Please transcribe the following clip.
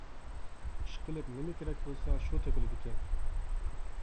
ئىشقىلىپ، نېمە كېرەك بولسا، شۇ تېپىلىدىكەن.